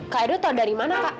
kak edo tau dari mana kak